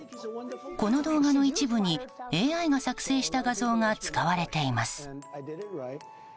この動画の一部にＡＩが作成した画像が使われています。